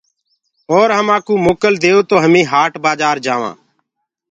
اور همآ ڪو موڪل ديئو تو همي هآٽ بآجآر جآوانٚ۔